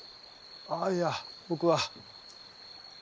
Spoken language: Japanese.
あっいや僕は。